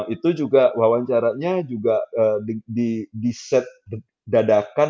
itu juga wawancaranya juga diset dadakan